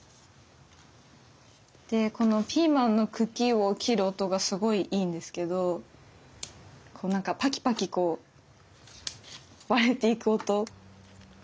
でこのピーマンの茎を切る音がすごいいいんですけどこう何かパキパキこう割れていく音。